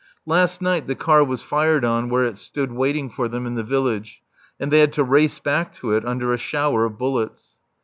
Last night the car was fired on where it stood waiting for them in the village, and they had to race back to it under a shower of bullets.